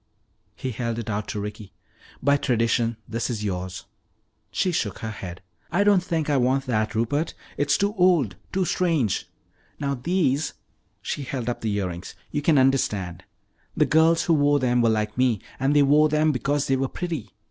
He held it out to Ricky. "By tradition this is yours." She shook her head. "I don't think I want that, Rupert. It's too old too strange. Now these," she held up the earrings, "you can understand. The girls who wore them were like me, and they wore them because they were pretty.